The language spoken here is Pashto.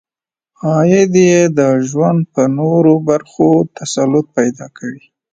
عاید یې د ژوند په نورو برخو تسلط پیدا کوي.